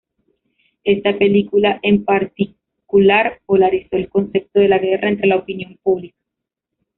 Esta película en particular polarizó el concepto de la guerra entre la opinión pública.